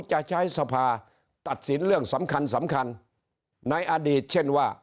จะใช้สภาตัดสินเรื่องสำคัญสำคัญในอดีตเช่นว่า